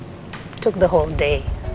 ambil sepanjang hari